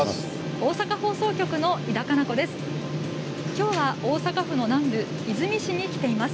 大阪放送局の井田香菜子です。